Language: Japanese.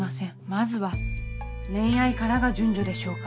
まずは恋愛からが順序でしょうか。